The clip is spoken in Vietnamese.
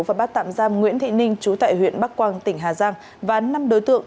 và bắt tạm giam nguyễn thị ninh trú tại huyện bắc quang tỉnh hà giang và năm đối tượng